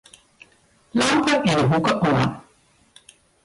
Lampe yn 'e hoeke oan.